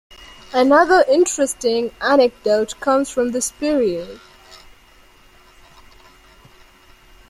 Another interesting anecdote comes from this period.